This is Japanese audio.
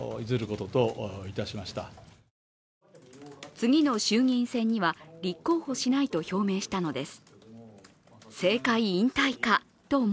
次の衆議院選には立候補しないと表明したのです。